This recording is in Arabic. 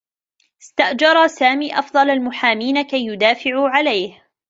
استأجر سامي أفضل المحامين كي يدافعوا عليه.